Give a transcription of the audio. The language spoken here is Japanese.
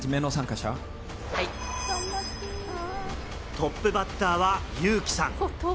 トップバッターは、ユウキさん。